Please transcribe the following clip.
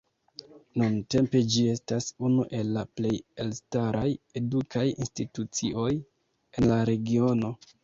Nuntempe ĝi estas unu el la plej elstaraj edukaj institucioj en la regiono.